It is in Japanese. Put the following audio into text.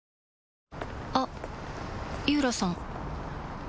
あっ井浦さん